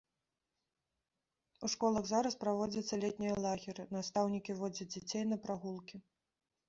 У школах зараз праводзяцца летнія лагеры, настаўнікі водзяць дзяцей на прагулкі.